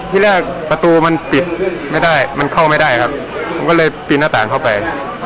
ที่แรกประตูมันปิดไม่ได้มันเข้าไม่ได้ครับผมก็เลยปีนหน้าต่างเข้าไป